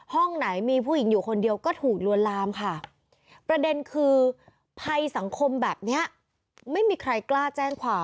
ห้องไหนมีผู้หญิงอยู่คนเดียวก็ถูกลวนลามค่ะประเด็นคือภัยสังคมแบบเนี้ยไม่มีใครกล้าแจ้งความ